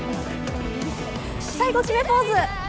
最後、決めポーズ。